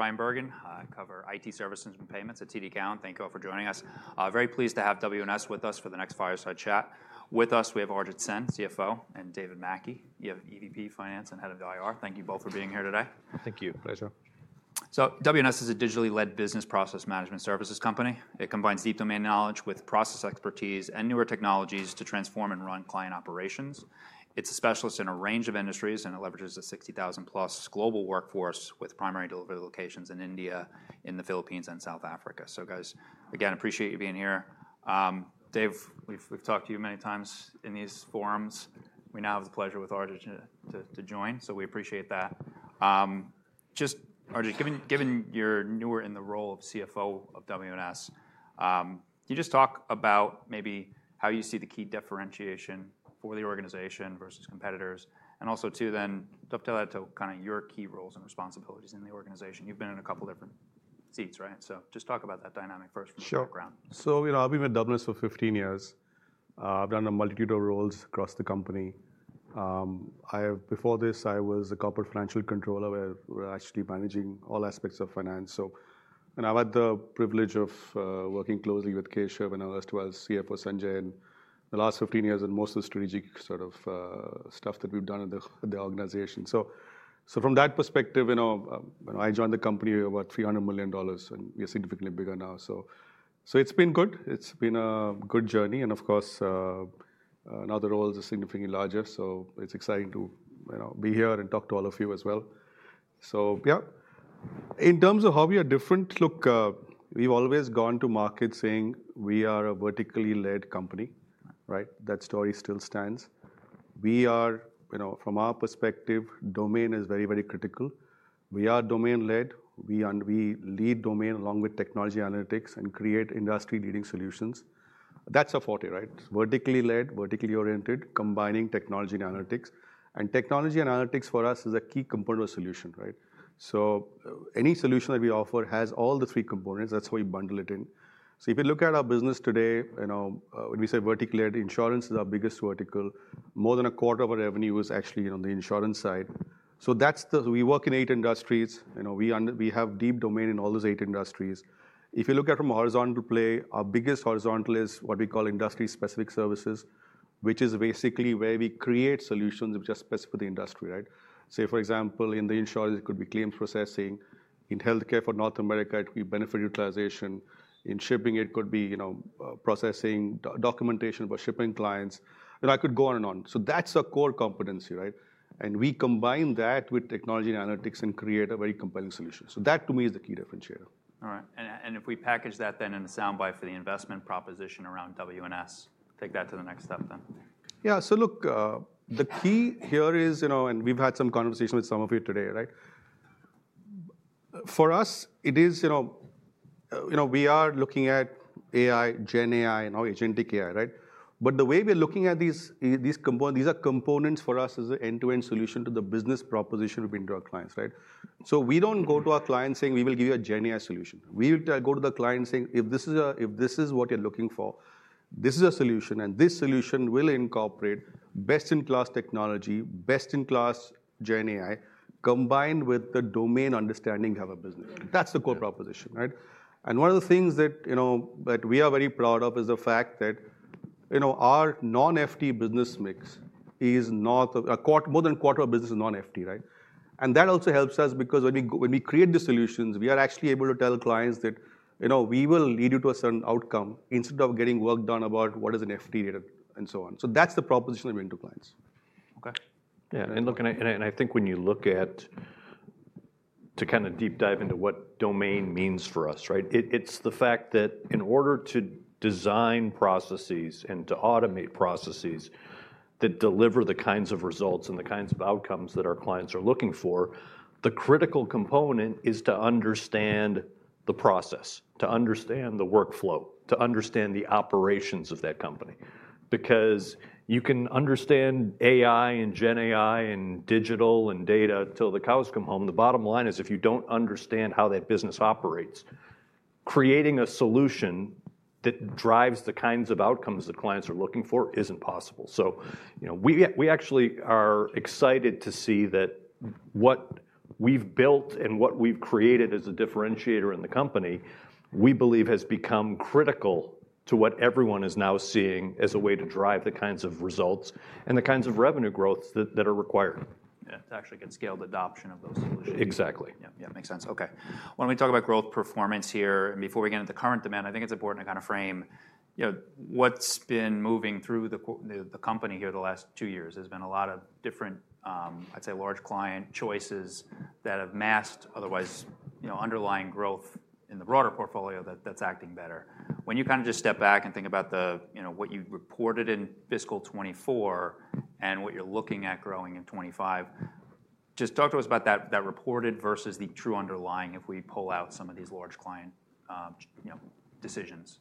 I am Brian Bergen, cover IT services and payments at TDCON. Thank you all for joining us. Very pleased to have WNS with us for the next fireside chat. With us, we have Arijit Sen, CFO, and David Mackey. You have EVP Finance and Head of the IR. Thank you both for being here today. Thank you. Pleasure. WNS is a digitally led business process management services company. It combines deep domain knowledge with process expertise and newer technologies to transform and run client operations. It's a specialist in a range of industries, and it leverages a 60,000+ global workforce with primary delivery locations in India, in the Philippines, and South Africa. Guys, again, appreciate you being here. Dave, we've talked to you many times in these forums. We now have the pleasure with Arijit to join, so we appreciate that. Just Arijit, given you're newer in the role of CFO of WNS, can you just talk about maybe how you see the key differentiation for the organization versus competitors? Also, then dovetail that to kind of your key roles and responsibilities in the organization. You've been in a couple of different seats, right? Just talk about that dynamic first from the background. Sure. So I've been with WNS for 15 years. I've done a multitude of roles across the company. Before this, I was a Corporate Financial Controller where we were actually managing all aspects of finance. And I've had the privilege of working closely with Keshav, and I was as well CFO in the last 15 years and most of the strategic sort of stuff that we've done in the organization. From that perspective, I joined the company about $300 million, and we are significantly bigger now. It's been good. It's been a good journey. Of course, now the roles are significantly larger. It's exciting to be here and talk to all of you as well. Yeah, in terms of how we are different, look, we've always gone to market saying we are a vertically led company, right? That story still stands. We are, from our perspective, domain is very, very critical. We are domain led. We lead domain along with technology analytics and create industry-leading solutions. That's our forte, right? Vertically led, vertically oriented, combining technology and analytics. Technology and analytics for us is a key component of a solution, right? Any solution that we offer has all the three components. That's how we bundle it in. If you look at our business today, when we say vertically led, insurance is our biggest vertical. More than a quarter of our revenue is actually on the insurance side. We work in eight industries. We have deep domain in all those eight industries. If you look at it from a horizontal play, our biggest horizontal is what we call industry-specific services, which is basically where we create solutions which are specific to the industry, right? Say for example, in the insurance, it could be claims processing. In healthcare for North America, it could be benefit utilization. In shipping, it could be processing documentation for shipping clients. I could go on and on. That is our core competency, right? We combine that with technology and analytics and create a very compelling solution. That to me is the key differentiator. All right. If we package that then in a sound bite for the investment proposition around WNS, take that to the next step then. Yeah. Look, the key here is, and we've had some conversation with some of you today, right? For us, it is we are looking at AI, GenAI, and now agentic AI, right? The way we're looking at these, these are components for us as an end-to-end solution to the business proposition we bring to our clients, right? We do not go to our clients saying we will give you a GenAI solution. We go to the client saying, if this is what you're looking for, this is a solution, and this solution will incorporate best-in-class technology, best-in-class GenAI combined with the domain understanding we have of business. That is the core proposition, right? One of the things that we are very proud of is the fact that our non-FTE business mix is not more than a quarter of our business is non-FTE, right? That also helps us because when we create the solutions, we are actually able to tell clients that we will lead you to a certain outcome instead of getting work done about what is an FTE data and so on. That is the proposition that we bring to clients. Okay. Yeah. I think when you look at to kind of deep dive into what domain means for us, right? It's the fact that in order to design processes and to automate processes that deliver the kinds of results and the kinds of outcomes that our clients are looking for, the critical component is to understand the process, to understand the workflow, to understand the operations of that company. Because you can understand AI and GenAI and digital and data till the cows come home. The bottom line is if you don't understand how that business operates, creating a solution that drives the kinds of outcomes the clients are looking for isn't possible. We actually are excited to see that what we've built and what we've created as a differentiator in the company, we believe has become critical to what everyone is now seeing as a way to drive the kinds of results and the kinds of revenue growth that are required. Yeah. To actually get scaled adoption of those solutions. Exactly. Yeah. Yeah. Makes sense. Okay. When we talk about growth performance here, and before we get into the current demand, I think it's important to kind of frame what's been moving through the company here the last two years. There's been a lot of different, I'd say, large client choices that have masked otherwise underlying growth in the broader portfolio that's acting better. When you kind of just step back and think about what you reported in fiscal 2024 and what you're looking at growing in 2025, just talk to us about that reported versus the true underlying if we pull out some of these large client decisions.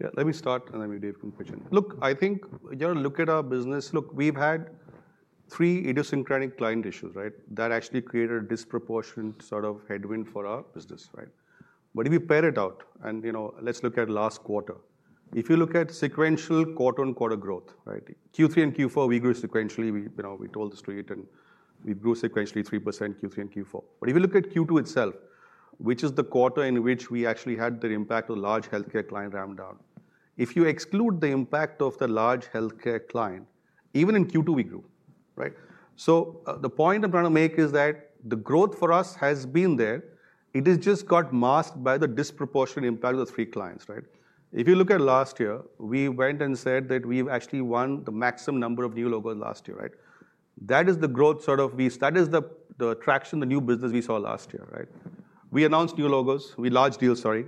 Yeah. Let me start, and then Dave can pitch in. Look, I think you have to look at our business. Look, we've had three idiosyncratic client issues, right? That actually created a disproportionate sort of headwind for our business, right? If you pair it out, and let's look at last quarter. If you look at sequential quarter-on-quarter growth, right? Q3 and Q4, we grew sequentially. We told the street, and we grew sequentially 3% Q3 and Q4. If you look at Q2 itself, which is the quarter in which we actually had the impact of large healthcare client rundown, if you exclude the impact of the large healthcare client, even in Q2, we grew, right? The point I'm trying to make is that the growth for us has been there. It has just got masked by the disproportionate impact of the three clients, right? If you look at last year, we went and said that we've actually won the maximum number of new logos last year, right? That is the growth, sort of, that is the attraction, the new business we saw last year, right? We announced new logos, we large deals, sorry.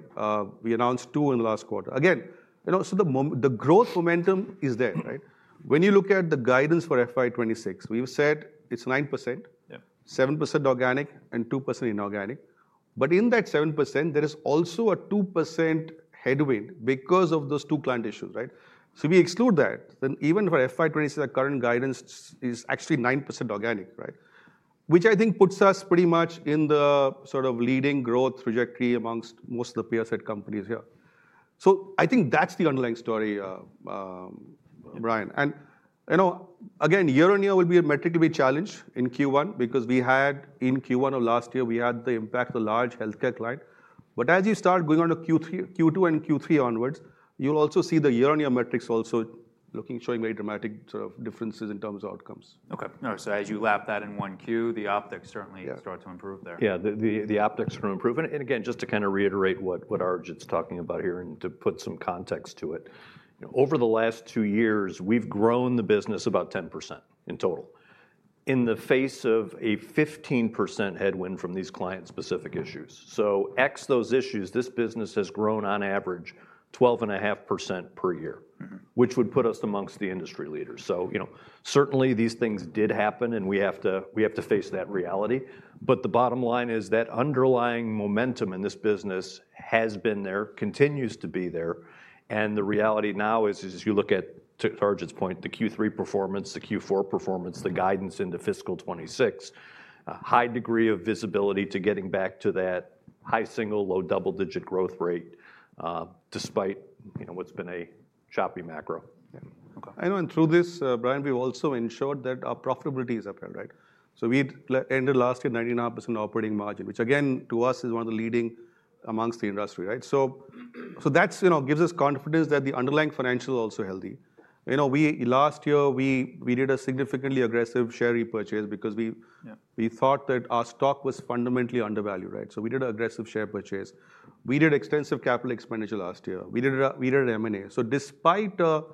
We announced two in the last quarter. Again, the growth momentum is there, right? When you look at the guidance for FY2026, we've said it's 9%, 7% organic, and 2% inorganic. In that 7%, there is also a 2% headwind because of those two client issues, right? If we exclude that, then even for FY2026, our current guidance is actually 9% organic, right? I think that puts us pretty much in the sort of leading growth trajectory amongst most of the peer-set companies here. I think that's the underlying story, Brian. Year on year will be a metric to be challenged in Q1 because we had in Q1 of last year, we had the impact of the large healthcare client. As you start going on to Q2 and Q3 onwards, you'll also see the year-on-year metrics also showing very dramatic sort of differences in terms of outcomes. Okay. As you lap that in one Q, the optics certainly start to improve there. Yeah. The optics are improving. And again, just to kind of reiterate what Arijit's talking about here and to put some context to it, over the last two years, we've grown the business about 10% in total in the face of a 15% headwind from these client-specific issues. So X those issues, this business has grown on average 12.5% per year, which would put us amongst the industry leaders. So certainly these things did happen, and we have to face that reality. But the bottom line is that underlying momentum in this business has been there, continues to be there. And the reality now is, as you look at Arijit's point, the Q3 performance, the Q4 performance, the guidance into fiscal 2026, high degree of visibility to getting back to that high single, low double-digit growth rate despite what's been a choppy macro. Yeah. Okay. Through this, Brian, we've also ensured that our profitability is upheld, right? We ended last year at 19% operating margin, which again, to us, is one of the leading amongst the industry, right? That gives us confidence that the underlying financial is also healthy. Last year, we did a significantly aggressive share repurchase because we thought that our stock was fundamentally undervalued, right? We did an aggressive share purchase. We did extensive capital expenditure last year. We did an M&A. Despite a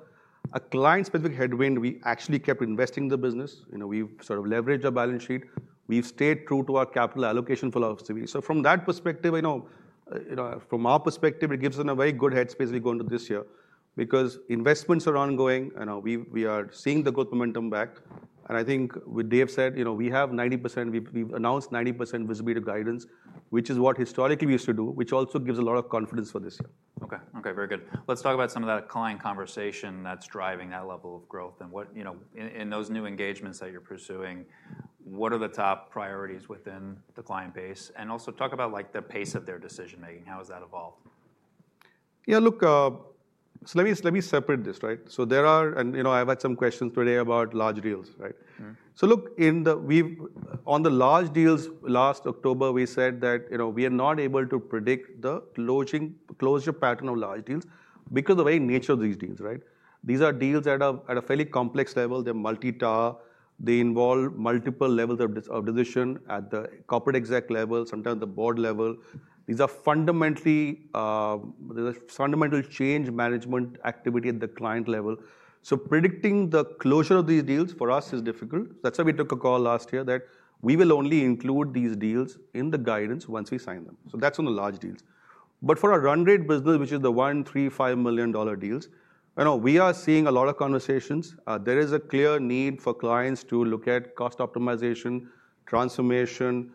client-specific headwind, we actually kept investing in the business. We've sort of leveraged our balance sheet. We've stayed true to our capital allocation philosophy. From that perspective, from our perspective, it gives us a very good headspace going into this year because investments are ongoing. We are seeing the growth momentum back.I think with Dave said, we have 90%. We've announced 90% visibility to guidance, which is what historically we used to do, which also gives a lot of confidence for this year. Okay. Okay. Very good. Let's talk about some of that client conversation that's driving that level of growth. In those new engagements that you're pursuing, what are the top priorities within the client base? Also, talk about the pace of their decision-making. How has that evolved? Yeah. Look, let me separate this, right? There are, and I've had some questions today about large deals, right? Look, on the large deals last October, we said that we are not able to predict the closure pattern of large deals because of the very nature of these deals, right? These are deals at a fairly complex level. They're multi-tier. They involve multiple levels of decision at the corporate exec level, sometimes the board level. There's a fundamental change management activity at the client level. Predicting the closure of these deals for us is difficult. That's why we took a call last year that we will only include these deals in the guidance once we sign them. That's on the large deals. For our run rate business, which is the $1, $3, $5 million deals, we are seeing a lot of conversations. There is a clear need for clients to look at cost optimization, transformation,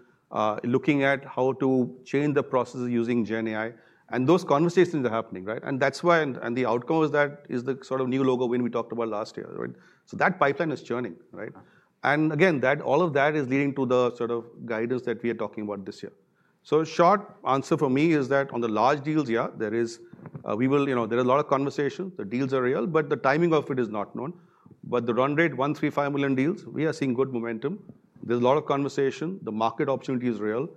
looking at how to change the processes using GenAI. Those conversations are happening, right? The outcome is that is the sort of new logo win we talked about last year, right? That pipeline is churning, right? Again, all of that is leading to the sort of guidance that we are talking about this year. Short answer for me is that on the large deals, yeah, there is a lot of conversation. The deals are real, but the timing of it is not known. The run rate, $1, $3, $5 million deals, we are seeing good momentum. There is a lot of conversation. The market opportunity is real,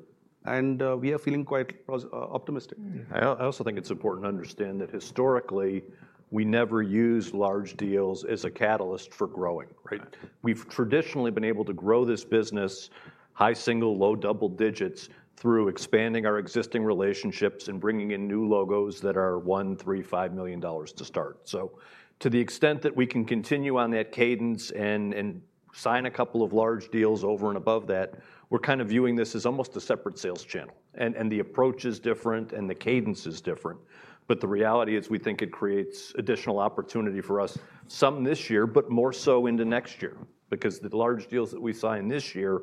and we are feeling quite optimistic. I also think it's important to understand that historically, we never used large deals as a catalyst for growing, right? We've traditionally been able to grow this business, high single, low double digits, through expanding our existing relationships and bringing in new logos that are $1, $3, $5 million to start. To the extent that we can continue on that cadence and sign a couple of large deals over and above that, we're kind of viewing this as almost a separate sales channel. The approach is different, and the cadence is different. The reality is we think it creates additional opportunity for us, some this year, but more so into next year because the large deals that we sign this year,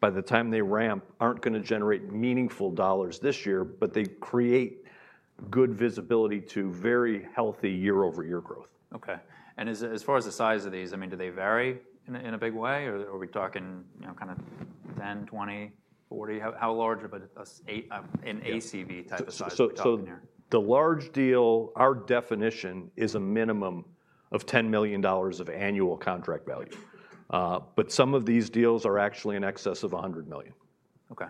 by the time they ramp, aren't going to generate meaningful dollars this year, but they create good visibility to very healthy year-over-year growth. Okay. As far as the size of these, I mean, do they vary in a big way? Are we talking kind of 10, 20, 40? How large of an ACV type of size you're talking here? The large deal, our definition is a minimum of $10 million of annual contract value. Some of these deals are actually in excess of $100 million. Okay.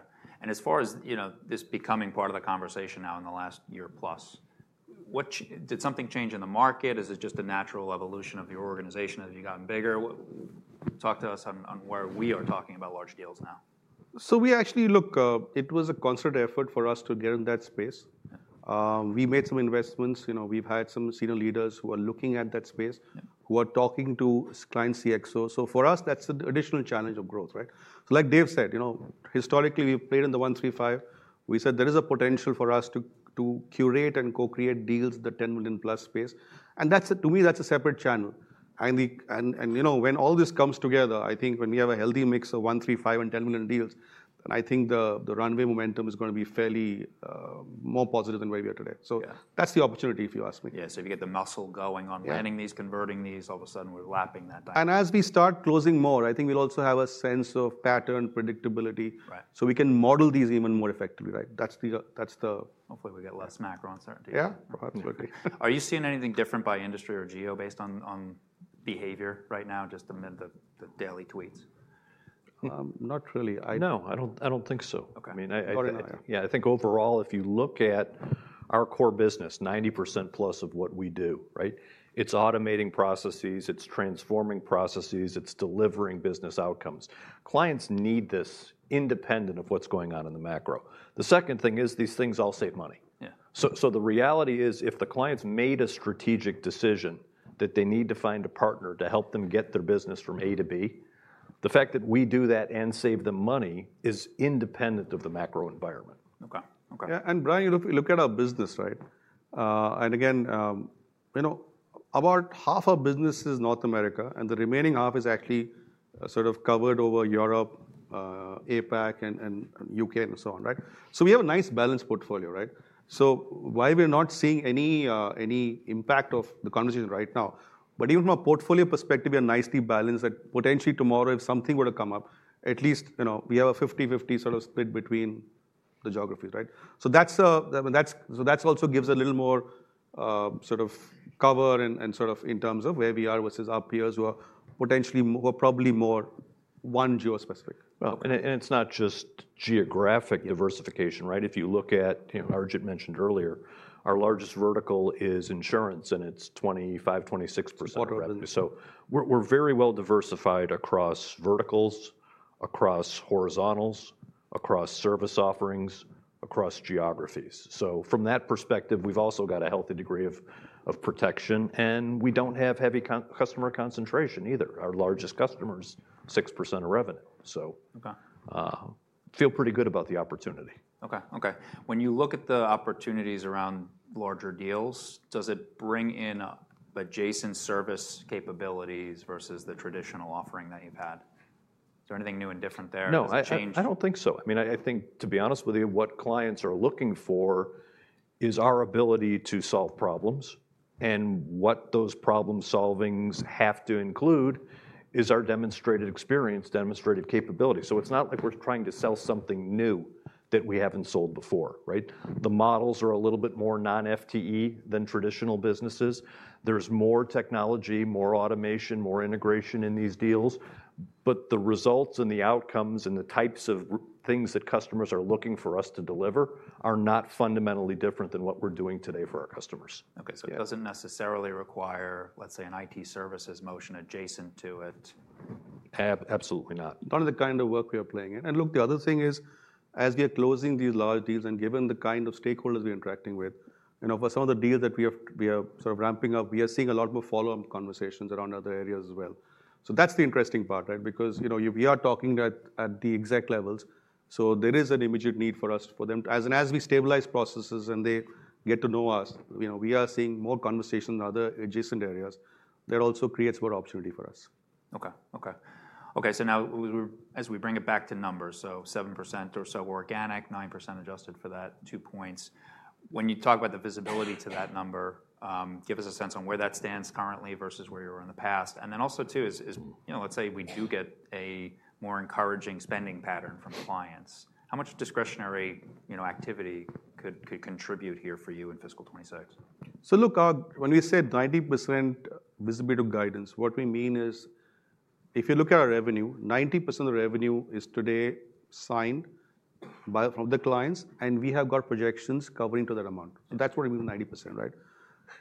As far as this becoming part of the conversation now in the last year plus, did something change in the market? Is it just a natural evolution of your organization as you've gotten bigger? Talk to us on where we are talking about large deals now. We actually, look, it was a concerted effort for us to get in that space. We made some investments. We've had some senior leaders who are looking at that space, who are talking to client CXO. For us, that's an additional challenge of growth, right? Like Dave said, historically, we played in the one, three, five. We said there is a potential for us to curate and co-create deals, the $10 million+ space. To me, that's a separate channel. When all this comes together, I think when we have a healthy mix of one, three, five, and $10 million deals, then I think the runway momentum is going to be fairly more positive than where we are today. That's the opportunity if you ask me. Yeah. If you get the muscle going on getting these, converting these, all of a sudden we're lapping that. As we start closing more, I think we'll also have a sense of pattern predictability so we can model these even more effectively, right? That's the. Hopefully, we get less macro uncertainty. Yeah. Are you seeing anything different by industry or geo based on behavior right now, just amid the daily tweets? Not really. No. I don't think so. Okay. I mean, yeah, I think overall, if you look at our core business, 90%+ of what we do, right? It's automating processes. It's transforming processes. It's delivering business outcomes. Clients need this independent of what's going on in the macro. The second thing is these things all save money. The reality is if the clients made a strategic decision that they need to find a partner to help them get their business from A to B, the fact that we do that and save them money is independent of the macro environment. Okay. Okay. Yeah. Brian, you look at our business, right? Again, about half our business is North America, and the remaining half is actually sort of covered over Europe, APAC, and U.K., and so on, right? We have a nice balanced portfolio, right? While we're not seeing any impact of the conversation right now, even from a portfolio perspective, we are nicely balanced that potentially tomorrow, if something were to come up, at least we have a 50/50 sort of split between the geographies, right? That also gives a little more sort of cover and sort of in terms of where we are versus our peers who are potentially probably more one geo-specific. It is not just geographic diversification, right? If you look at, Arijit mentioned earlier, our largest vertical is insurance, and it is 25-26%. We are very well diversified across verticals, across horizontals, across service offerings, across geographies. From that perspective, we have also got a healthy degree of protection. We do not have heavy customer concentration either. Our largest customer is 6% of revenue. I feel pretty good about the opportunity. Okay. Okay. When you look at the opportunities around larger deals, does it bring in adjacent service capabilities versus the traditional offering that you've had? Is there anything new and different there? No. I don't think so. I mean, I think, to be honest with you, what clients are looking for is our ability to solve problems. And what those problem-solvings have to include is our demonstrated experience, demonstrated capability. So it's not like we're trying to sell something new that we haven't sold before, right? The models are a little bit more non-FTE than traditional businesses. There's more technology, more automation, more integration in these deals. But the results and the outcomes and the types of things that customers are looking for us to deliver are not fundamentally different than what we're doing today for our customers. Okay. So it doesn't necessarily require, let's say, an IT services motion adjacent to it. Absolutely not. None of the kind of work we are playing in. Look, the other thing is, as we are closing these large deals and given the kind of stakeholders we are interacting with, for some of the deals that we are sort of ramping up, we are seeing a lot more follow-up conversations around other areas as well. That is the interesting part, right? Because we are talking at the exec levels. There is an immediate need for us for them. As we stabilize processes and they get to know us, we are seeing more conversations in other adjacent areas. That also creates more opportunity for us. Okay. Okay. Now, as we bring it back to numbers, 7% or so organic, 9% adjusted for that, two points. When you talk about the visibility to that number, give us a sense on where that stands currently versus where you were in the past. Also, let's say we do get a more encouraging spending pattern from clients. How much discretionary activity could contribute here for you in fiscal 2026? Look, when we said 90% visibility to guidance, what we mean is if you look at our revenue, 90% of the revenue is today signed from the clients, and we have got projections covering to that amount. That is what we mean with 90%, right?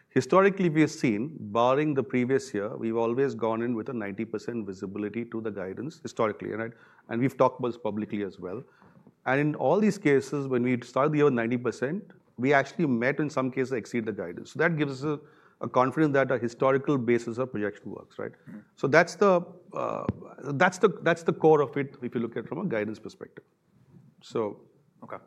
Historically, we have seen, barring the previous year, we have always gone in with a 90% visibility to the guidance historically, right? We have talked about this publicly as well. In all these cases, when we started the year with 90%, we actually met, in some cases exceeded, the guidance. That gives us a confidence that a historical basis of projection works, right? That is the core of it if you look at it from a guidance perspective. Okay.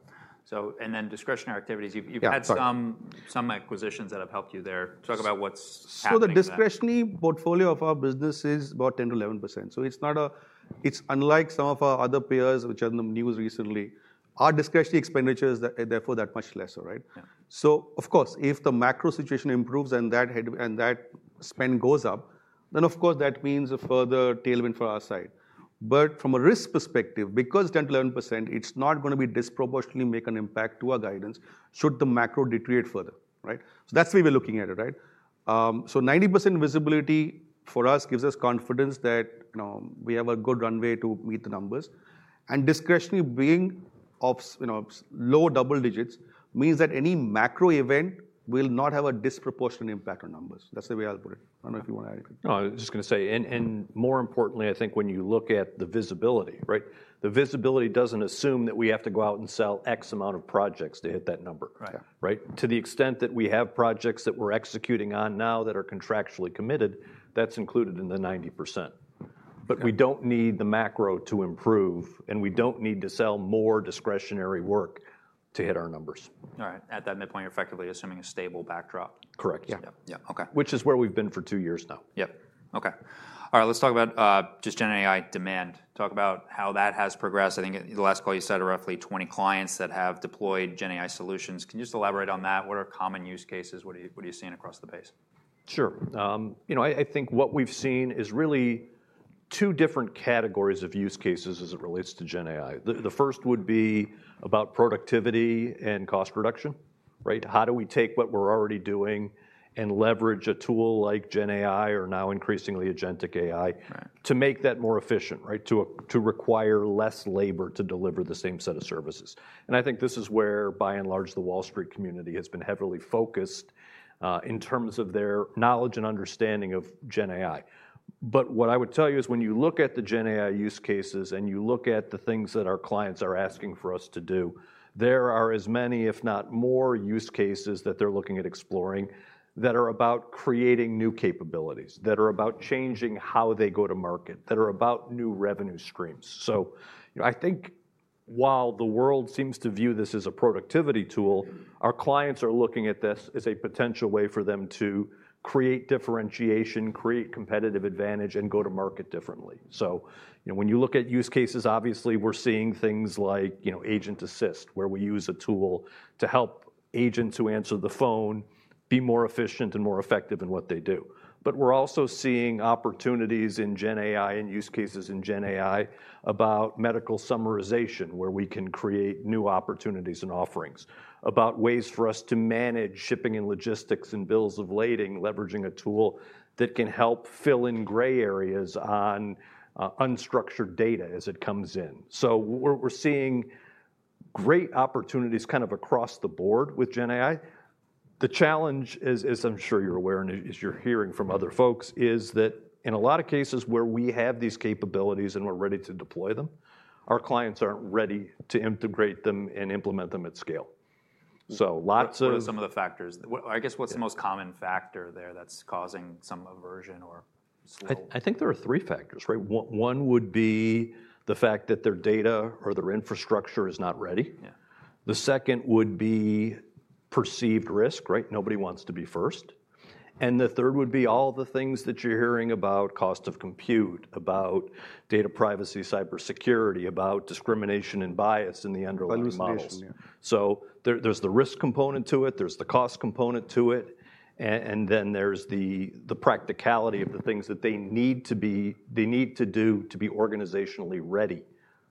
And then discretionary activities. You've had some acquisitions that have helped you there. Talk about what's happening there. The discretionary portfolio of our business is about 10-11%. It is unlike some of our other peers which are in the news recently. Our discretionary expenditure is therefore that much lesser, right? If the macro situation improves and that spend goes up, that means a further tailwind for our side. From a risk perspective, because 10-11%, it is not going to disproportionately make an impact to our guidance should the macro deteriorate further, right? That is the way we are looking at it, right? 90% visibility for us gives us confidence that we have a good runway to meet the numbers. Discretionary being low double digits means that any macro event will not have a disproportionate impact on numbers. That is the way I will put it. I do not know if you want to add anything. No. I was just going to say, and more importantly, I think when you look at the visibility, right? The visibility does not assume that we have to go out and sell X amount of projects to hit that number, right? To the extent that we have projects that we are executing on now that are contractually committed, that is included in the 90%. We do not need the macro to improve, and we do not need to sell more discretionary work to hit our numbers. All right. At that midpoint, you're effectively assuming a stable backdrop. Correct. Yeah. Yeah. Okay. Which is where we've been for two years now. Yep. Okay. All right. Let's talk about just GenAI demand. Talk about how that has progressed. I think the last call you said are roughly 20 clients that have deployed GenAI solutions. Can you just elaborate on that? What are common use cases? What are you seeing across the base? Sure. I think what we've seen is really two different categories of use cases as it relates to GenAI. The first would be about productivity and cost reduction, right? How do we take what we're already doing and leverage a tool like GenAI or now increasingly Agentic AI to make that more efficient, right? To require less labor to deliver the same set of services. I think this is where, by and large, the Wall Street community has been heavily focused in terms of their knowledge and understanding of GenAI. What I would tell you is when you look at the GenAI use cases and you look at the things that our clients are asking for us to do, there are as many, if not more, use cases that they are looking at exploring that are about creating new capabilities, that are about changing how they go to market, that are about new revenue streams. I think while the world seems to view this as a productivity tool, our clients are looking at this as a potential way for them to create differentiation, create competitive advantage, and go to market differently. When you look at use cases, obviously we are seeing things like Agent Assist, where we use a tool to help agents who answer the phone be more efficient and more effective in what they do. We're also seeing opportunities in GenAI and use cases in GenAI about medical summarization, where we can create new opportunities and offerings, about ways for us to manage shipping and logistics and bills of lading, leveraging a tool that can help fill in gray areas on unstructured data as it comes in. We're seeing great opportunities kind of across the board with GenAI. The challenge, as I'm sure you're aware and as you're hearing from other folks, is that in a lot of cases where we have these capabilities and we're ready to deploy them, our clients aren't ready to integrate them and implement them at scale. Lots of. What are some of the factors? I guess what's the most common factor there that's causing some aversion or slow? I think there are three factors, right? One would be the fact that their data or their infrastructure is not ready. The second would be perceived risk, right? Nobody wants to be first. The third would be all the things that you're hearing about cost of compute, about data privacy, cybersecurity, about discrimination and bias in the underlying model. There is the risk component to it. There is the cost component to it. Then there is the practicality of the things that they need to do to be organizationally ready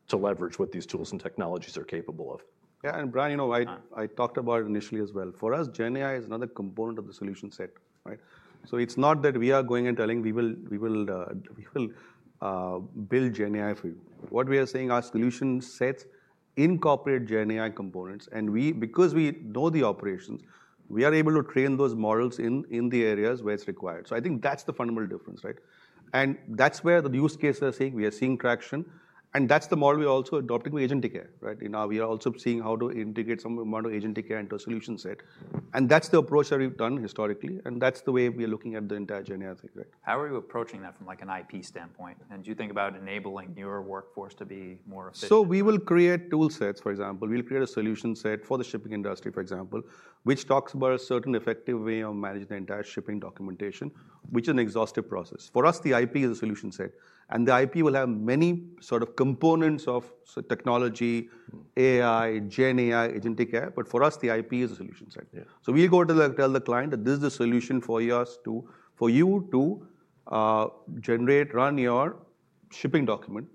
to leverage what these tools and technologies are capable of. Yeah. Brian, I talked about it initially as well. For us, GenAI is another component of the solution set, right? It is not that we are going and telling we will build GenAI for you. What we are saying, our solution sets incorporate GenAI components. Because we know the operations, we are able to train those models in the areas where it is required. I think that is the fundamental difference, right? That is where the use cases are saying we are seeing traction. That is the model we are also adopting with Agentic AI, right? Now we are also seeing how to integrate some amount of Agentic AI into a solution set. That is the approach that we have done historically. That is the way we are looking at the entire GenAI thing, right? How are you approaching that from an IP standpoint? Do you think about enabling your workforce to be more efficient? We will create tool sets. For example, we'll create a solution set for the shipping industry, for example, which talks about a certain effective way of managing the entire shipping documentation, which is an exhaustive process. For us, the IP is a solution set. And the IP will have many sort of components of technology, AI, GenAI, Agentic AI. For us, the IP is a solution set. We will go to tell the client that this is the solution for you to generate, run your shipping document.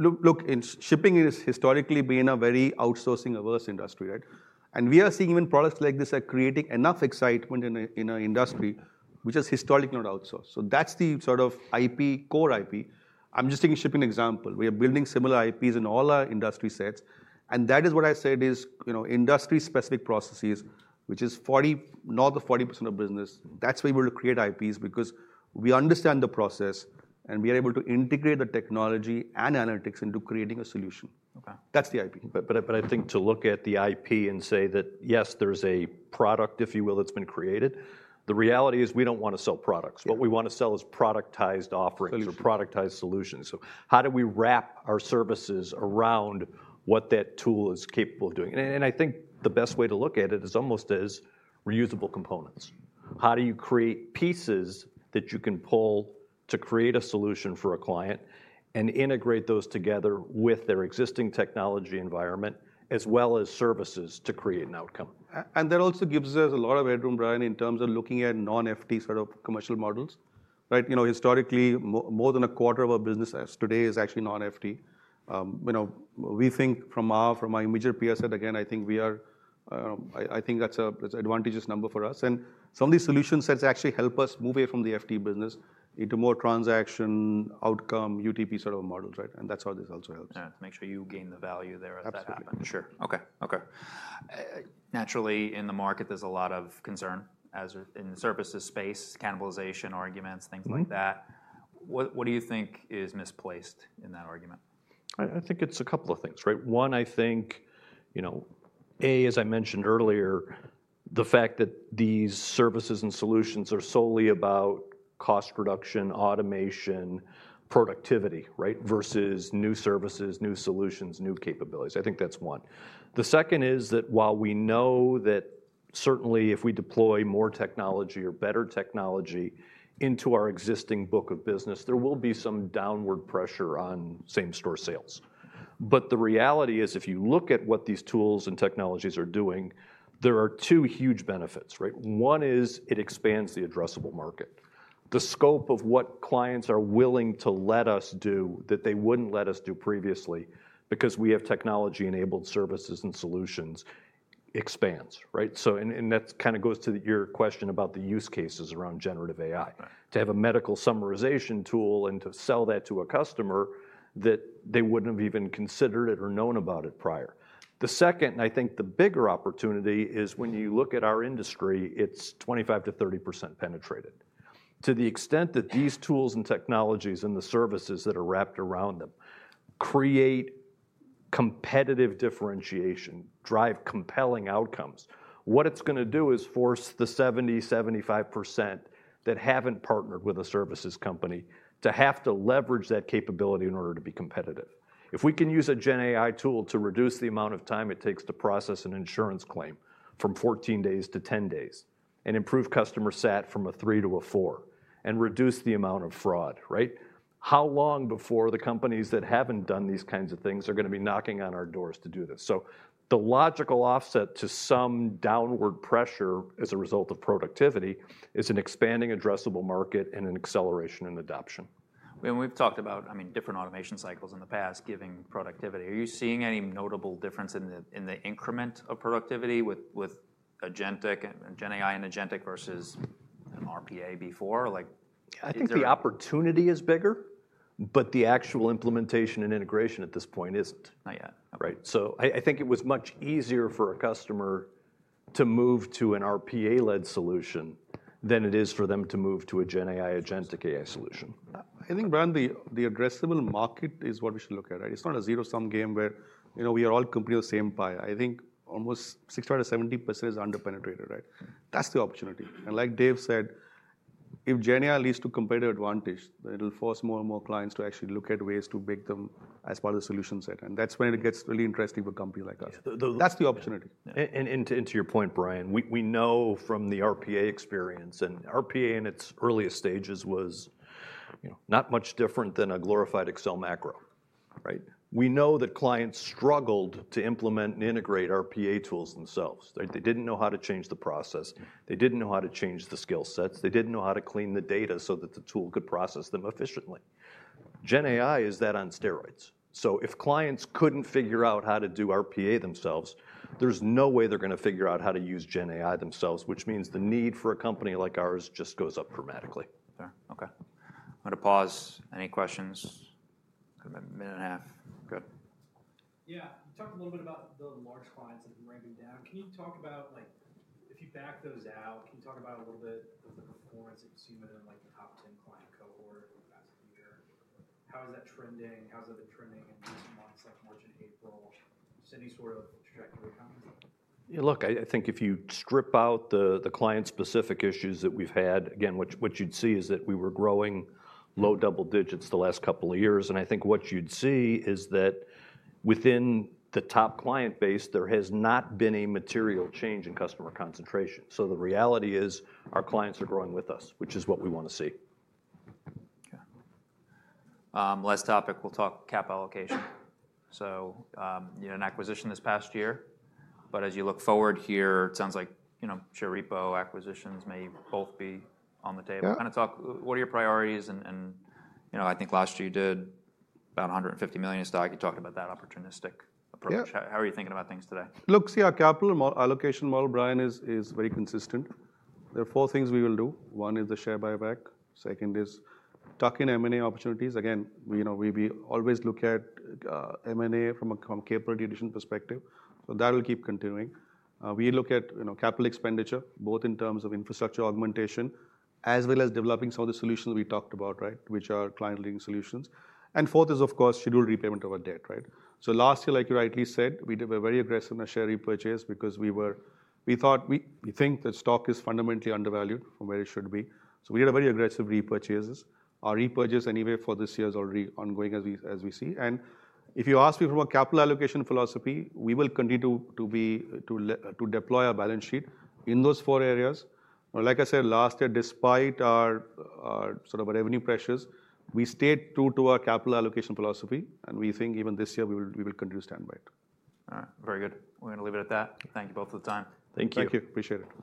Look, shipping has historically been a very outsourcing-averse industry, right? We are seeing even products like this are creating enough excitement in an industry which is historically not outsourced. That is the sort of IP, core IP. I'm just taking shipping as an example. We are building similar IPs in all our industry sets. That is what I said is industry-specific processes, which is not the 40% of business. That is why we are able to create IPs because we understand the process and we are able to integrate the technology and analytics into creating a solution. That is the IP. I think to look at the IP and say that, yes, there's a product, if you will, that's been created, the reality is we do not want to sell products. What we want to sell is productized offerings or productized solutions. How do we wrap our services around what that tool is capable of doing? I think the best way to look at it is almost as reusable components. How do you create pieces that you can pull to create a solution for a client and integrate those together with their existing technology environment as well as services to create an outcome? That also gives us a lot of headroom, Brian, in terms of looking at non-FTE sort of commercial models, right? Historically, more than a quarter of our business today is actually non-FTE. We think from our immediate peers that, again, I think we are, I think that is an advantageous number for us. Some of these solution sets actually help us move away from the FTE business into more transaction outcome UTP sort of models, right? That is how this also helps. Yeah. To make sure you gain the value there as that happens. Sure. Okay. Naturally, in the market, there's a lot of concern in the services space, cannibalization arguments, things like that. What do you think is misplaced in that argument? I think it's a couple of things, right? One, I think, A, as I mentioned earlier, the fact that these services and solutions are solely about cost reduction, automation, productivity, right? Versus new services, new solutions, new capabilities. I think that's one. The second is that while we know that certainly if we deploy more technology or better technology into our existing book of business, there will be some downward pressure on same-store sales. The reality is if you look at what these tools and technologies are doing, there are two huge benefits, right? One is it expands the addressable market. The scope of what clients are willing to let us do that they wouldn't let us do previously because we have technology-enabled services and solutions expands, right? That kind of goes to your question about the use cases around generative AI. To have a medical summarization tool and to sell that to a customer that they would not have even considered it or known about it prior. The second, and I think the bigger opportunity, is when you look at our industry, it is 25%-30% penetrated. To the extent that these tools and technologies and the services that are wrapped around them create competitive differentiation, drive compelling outcomes, what it is going to do is force the 70%-75% that have not partnered with a services company to have to leverage that capability in order to be competitive. If we can use a GenAI tool to reduce the amount of time it takes to process an insurance claim from 14 days to 10 days and improve customer sat from a three to a four and reduce the amount of fraud, right? How long before the companies that have not done these kinds of things are going to be knocking on our doors to do this? The logical offset to some downward pressure as a result of productivity is an expanding addressable market and an acceleration in adoption. We've talked about, I mean, different automation cycles in the past giving productivity. Are you seeing any notable difference in the increment of productivity with Agentic, GenAI and Agentic versus an RPA before? I think the opportunity is bigger, but the actual implementation and integration at this point isn't. Right I think it was much easier for a customer to move to an RPA-led solution than it is for them to move to a GenAI, Agentic AI solution. I think, Brian, the addressable market is what we should look at, right? It is not a zero-sum game where we are all companies of the same pie. I think almost 65%-70% is under-penetrated, right? That is the opportunity. Like Dave said, if GenAI leads to competitive advantage, it will force more and more clients to actually look at ways to make them as part of the solution set. That is when it gets really interesting for companies like us. That is the opportunity. To your point, Brian, we know from the RPA experience, and RPA in its earliest stages was not much different than a glorified Excel macro, right? We know that clients struggled to implement and integrate RPA tools themselves. They did not know how to change the process. They did not know how to change the skill sets. They did not know how to clean the data so that the tool could process them efficiently. GenAI is that on steroids. If clients could not figure out how to do RPA themselves, there is no way they are going to figure out how to use GenAI themselves, which means the need for a company like ours just goes up dramatically. Fair. Okay. I'm going to pause. Any questions? A minute and a half. Good. Yeah. You talked a little bit about the large clients that have been ranking down. Can you talk about, if you back those out, can you talk about a little bit of the performance that you've seen within the top 10 client cohort in the past year? How is that trending? How's that been trending in recent months, like March and April? Just any sort of trajectory comments? Yeah. Look, I think if you strip out the client-specific issues that we've had, again, what you'd see is that we were growing low double digits the last couple of years. I think what you'd see is that within the top client base, there has not been a material change in customer concentration. The reality is our clients are growing with us, which is what we want to see. Okay. Last topic, we'll talk cap allocation. So an acquisition this past year. But as you look forward here, it sounds like Cheripo acquisitions may both be on the table. Kind of talk, what are your priorities? And I think last year you did about $150 million in stock. You talked about that opportunistic approach. How are you thinking about things today? Look, see, our capital allocation model, Brian, is very consistent. There are four things we will do. One is the share buyback. Second is tuck in M&A opportunities. Again, we always look at M&A from a capability addition perspective. That will keep continuing. We look at capital expenditure, both in terms of infrastructure augmentation as well as developing some of the solutions we talked about, right, which are client-linked solutions. Fourth is, of course, scheduled repayment of our debt, right? Last year, like you rightly said, we did a very aggressive share repurchase because we think that stock is fundamentally undervalued from where it should be. We did very aggressive repurchases. Our repurchase anyway for this year is already ongoing as we see. If you ask me from a capital allocation philosophy, we will continue to deploy our balance sheet in those four areas. Like I said, last year, despite our sort of revenue pressures, we stayed true to our capital allocation philosophy. We think even this year we will continue to stand by it. All right. Very good. We're going to leave it at that. Thank you both for the time. Thank you. Thank you. Appreciate it.